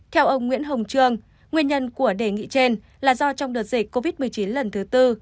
theo ông nguyễn hồng trương nguyên nhân của đề nghị trên là do trong đợt dịch covid một mươi chín lần thứ tư